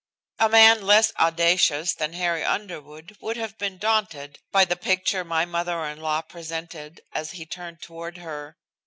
A man less audacious than Harry Underwood would have been daunted by the picture my mother in law presented as he turned toward her.